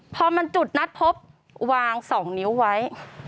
พอมันจุดนัดพบวาง๒นิ้วไว้